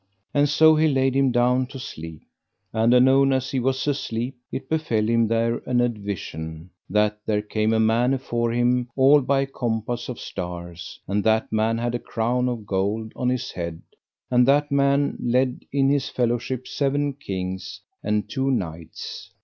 And so he laid him down to sleep. And anon as he was asleep it befell him there an advision, that there came a man afore him all by compass of stars, and that man had a crown of gold on his head and that man led in his fellowship seven kings and two knights.